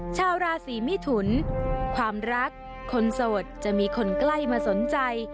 ชาวราศีมิถุนความรักคนโสดจะมีคนใกล้มาสนใจ